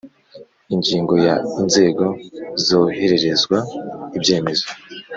Ingingo ya Inzego zohererezwa ibyemezo